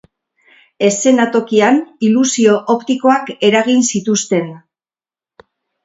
Eszenatokian ilusio optikoak eragin zituzten.